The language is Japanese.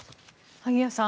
萩谷さん